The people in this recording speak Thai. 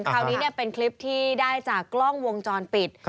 คราวนี้เป็นคลิปที่ได้จากกล้องวงจรปิด